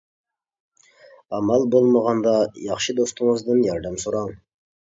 ئامال بولمىغاندا، ياخشى دوستىڭىزدىن ياردەم سوراڭ.